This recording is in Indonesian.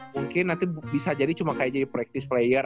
mungkin nanti bisa jadi cuma kayak jadi practice player